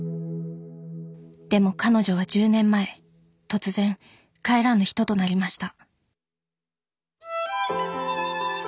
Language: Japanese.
でも彼女は１０年前突然帰らぬ人となりました